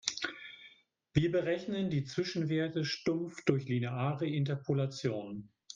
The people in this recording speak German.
Wir berechnen die Zwischenwerte stumpf durch lineare Interpolation.